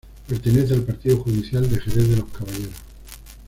Pertenece al Partido judicial de Jerez de los Caballeros.